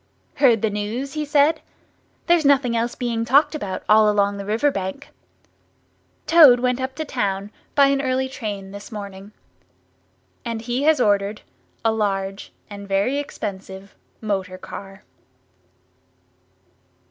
"Heard the news?" he said. "There's nothing else being talked about, all along the river bank. Toad went up to Town by an early train this morning. And he has ordered a large and very expensive motor car."